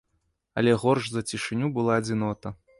Але горш за цішыню была адзінота.